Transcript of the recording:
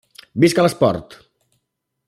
Visca l'esport!